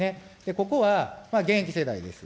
ここは現役世代です。